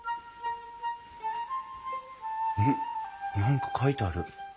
何か書いてある。